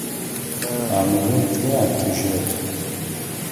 Амыгъотырэ атыжьырэп.